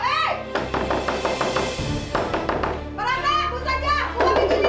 paranda buruk saja buka pintunya